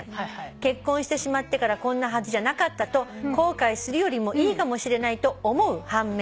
「結婚してしまってからこんなはずじゃなかったと後悔するよりもいいかもしれないと思う半面